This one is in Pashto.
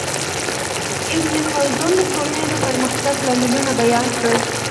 ابن خلدون د ټولنې د پرمختګ لاملونه بیان کړل.